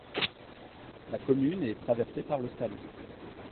La commune est traversée par le Salon.